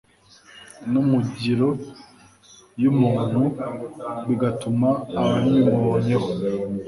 no mu ngiro y'umuntu bigatuma ababimubonyeho